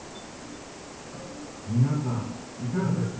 皆さんいかがです？